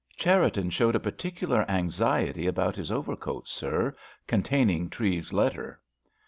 "Cherriton showed a particular anxiety about his overcoat, sir, containing Treves's letter."